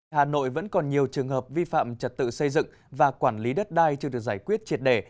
hà nội vẫn còn nhiều trường hợp vi phạm trật tự xây dựng và quản lý đất đai chưa được giải quyết triệt đề